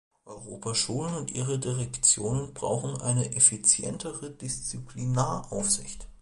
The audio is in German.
Europaschulen und ihre Direktionen brauchen eine effizientere Disziplinaraufsicht.